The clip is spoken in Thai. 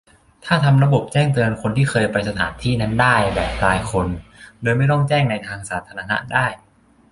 ถ้าทำระบบแจ้งเตือนคนที่เคยไปสถานที่นั้นได้ แบบรายคน โดยไม่ต้องแจ้งในทางสาธารณะได้